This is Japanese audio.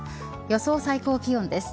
予想最高気温です。